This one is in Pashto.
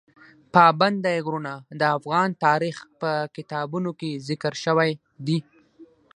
پابندی غرونه د افغان تاریخ په کتابونو کې ذکر شوی دي.